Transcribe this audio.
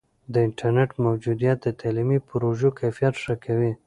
د انټرنیټ موجودیت د تعلیمي پروژو کیفیت ښه کوي.